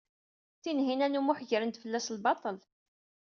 Tinhinan u Muḥ gren-d fell-as lbaṭel.